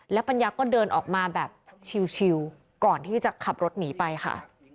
ปัญญาก็เดินออกมาแบบชิวก่อนที่จะขับรถหนีไปค่ะ